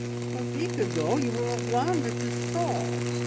"A week ago you were alarmed at the thought!